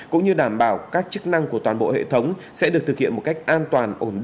cũng như đảm bảo các chức năng của toàn bộ hệ thống sẽ được thực hiện một cách an toàn ổn định